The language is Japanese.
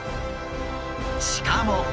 しかも！